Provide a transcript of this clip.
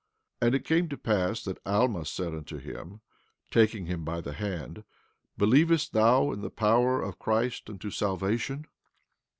15:6 And it came to pass that Alma said unto him, taking him by the hand: Believest thou in the power of Christ unto salvation?